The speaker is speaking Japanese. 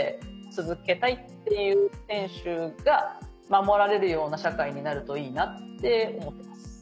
続けたいっていう選手が守られるような社会になるといいなって思ってます。